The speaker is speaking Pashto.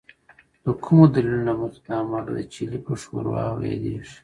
د کومو دلیلونو له مخې دا مالګه د چیلي په ښورې یادیږي؟